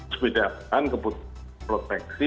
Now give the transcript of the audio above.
sebeda beda kebutuhan proteksi